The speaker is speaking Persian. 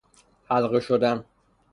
حلقه شدن